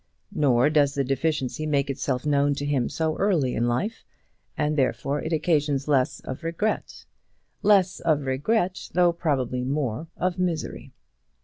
Nor does the deficiency make itself known to him so early in life, and therefore it occasions less of regret, less of regret, though probably more of misery.